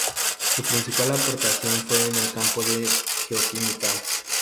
Su principal aportación fue en el campo de la geoquímica.